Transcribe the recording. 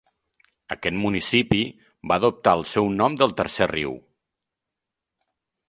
Aquest municipi va adoptar el seu nom del Tercer Riu.